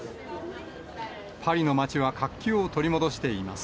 パリの街は活気を取り戻しています。